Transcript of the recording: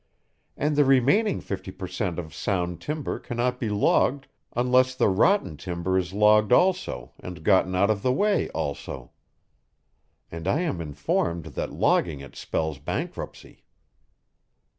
And the remaining fifty per cent. of sound timber cannot be logged unless the rotten timber is logged also and gotten out of the way also. And I am informed that logging it spells bankruptcy."